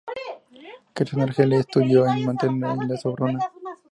Creció en Argelia y estudió en Nanterre y en la Sorbona.